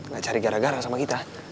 gak cari gara gara sama kita